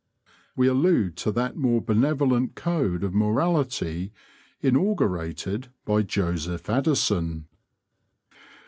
We allude to that more benevolent code of morality inaugurated by Joseph Addison.